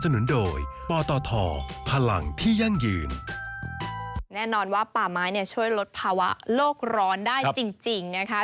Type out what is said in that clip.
แน่นอนว่าปลาไม้ช่วยลดภาวะโลกร้อนได้จริงนะคะ